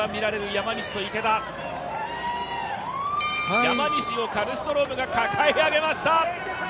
山西をカルストロームが抱え上げました！